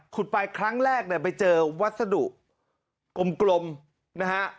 ขุดไปครั้งแรกไปเจอวัสดุกลมนะฮะ